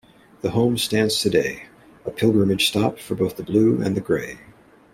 The home stands today, a pilgrimage stop for both the Blue and the Grey.